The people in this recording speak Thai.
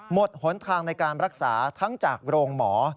หนทางในการรักษาทั้งจากโรงหมอ